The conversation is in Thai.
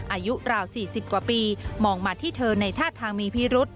อายุราว๔๐กว่าปีมองมาที่เธอในท่าทางมีพิรุษ